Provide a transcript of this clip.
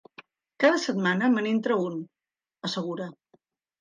Cada setmana me n'entra un —assegura.